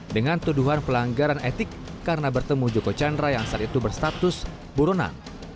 dengan tuduhan pelanggaran etik karena bertemu joko chandra yang saat itu berstatus buronan